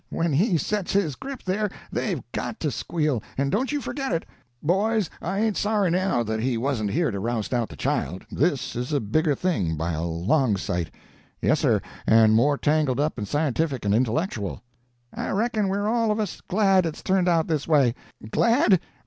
when he sets his grip there they've got to squeal, and don't you forget it." "Boys, I ain't sorry, now, that he wasn't here to roust out the child; this is a bigger thing, by a long sight. Yes, sir, and more tangled up and scientific and intellectual." "I reckon we're all of us glad it's turned out this way. Glad?